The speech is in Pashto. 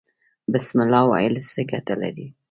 بسم الله ویل څه ګټه لري؟